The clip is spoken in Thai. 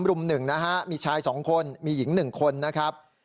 รุม๑นะฮะมีชาย๒คนมีหญิง๑คนนะครับ